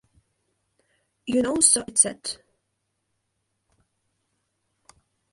You know so it sad.